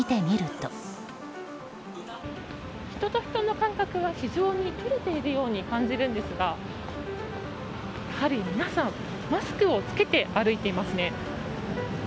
人と人の間隔は非常にとれているように感じるんですがやはり皆さんマスクを着けて歩いていますね。